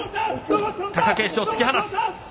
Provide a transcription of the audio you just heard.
貴景勝、突き放す。